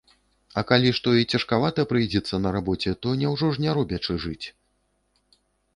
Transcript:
А калі што і цяжкавата прыйдзецца на рабоце, то няўжо ж не робячы жыць?